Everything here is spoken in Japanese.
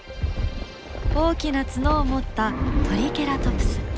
大きな角を持ったトリケラトプス。